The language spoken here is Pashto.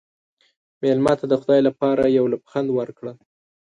مېلمه ته د خدای لپاره یو لبخند ورکړه.